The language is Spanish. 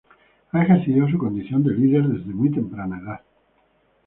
Ha ejercido su condición de líder desde muy temprana edad.